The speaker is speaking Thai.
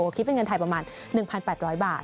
คิดเป็นเงินไทยประมาณ๑๘๐๐บาท